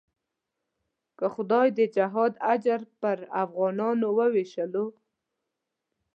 که خدای د جهاد اجر پر افغانانو وېشلو.